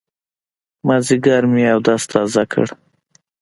مازيګر مې اودس تازه کړ.